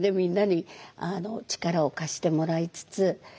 みんなに力を貸してもらいつつ。